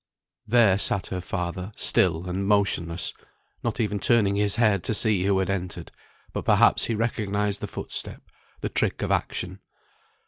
There sat her father, still and motionless not even turning his head to see who had entered; but perhaps he recognised the foot step, the trick of action.